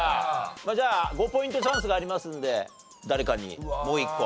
じゃあ５ポイントチャンスがありますので誰かにもう１個。